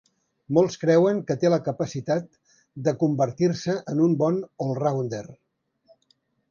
Molts creuen que té la capacitat de convertir-se en un bon "allrounder".